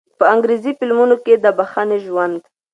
په انګرېزي فلمونو کښې د پښتني ژوند